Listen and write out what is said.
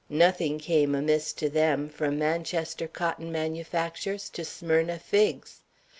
Nothing came amiss to them, from Manchester cotton manufactures to Smyrna figs.